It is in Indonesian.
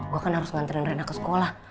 gue kan harus nganterin rena ke sekolah